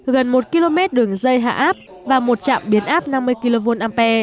gần một km đường dây hạ áp và một chạm biến áp năm mươi kva